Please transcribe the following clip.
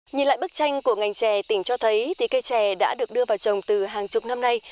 nhìn lại bức tranh của ngành chè tỉnh cho thấy thì cây chè đã được đưa vào trồng từ hàng chục năm nay